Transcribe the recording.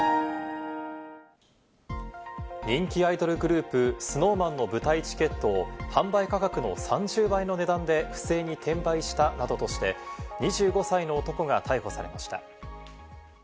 人気アイドルグループ・ＳｎｏｗＭａｎの舞台チケットを販売価格の３０倍の値段で不正に転売したなどとして、２５歳の男が逮捕されました。